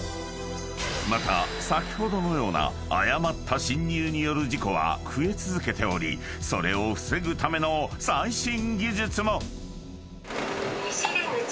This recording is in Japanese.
［また先ほどのような誤った進入による事故は増え続けておりそれを防ぐための最新技術も！］